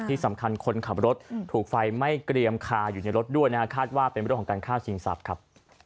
ที่สำคัญคนขับรถถูกไฟไหม้เกรียมคาอยู่ในรถด้วยนะฮะคาดว่าเป็นเรื่องของการฆ่าชิงทรัพย์ครับ